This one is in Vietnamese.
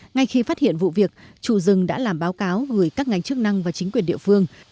ngay khi phát hiện vụ việc chủ rừng đã làm báo cáo gửi các ngành chức năng và chính quyền địa phương